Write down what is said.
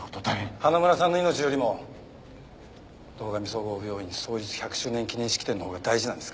花村さんの命よりも堂上総合病院創立１００周年記念式典のほうが大事なんですか？